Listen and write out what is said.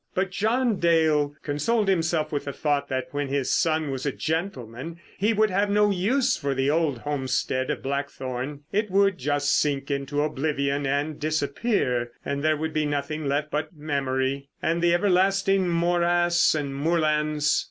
But John Dale consoled himself with the thought that when his son was a gentleman he would have no use for the old homestead of Blackthorn. It would just sink into oblivion and disappear, and there would be nothing left but memory—and the everlasting morass and moorlands.